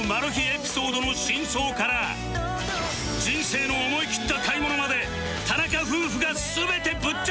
エピソードの真相から人生の思い切った買い物まで田中夫婦が全てぶっちゃけます